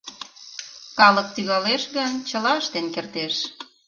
Калык тӱҥалеш гын, чыла ыштен кертеш.